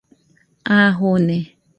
A jone